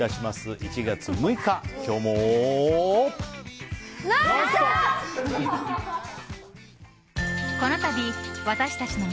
１月６日、今日も。